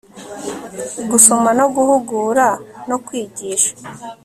gusoma no guhugura no kwigisha